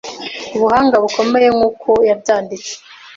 ubuhanga bukomeye Nkuko yabyanditse